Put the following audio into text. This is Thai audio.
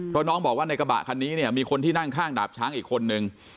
เพราะน้องบอกว่าในกระบะคันนี้เนี่ยมีคนที่นั่งข้างดาบช้างอีกคนนึง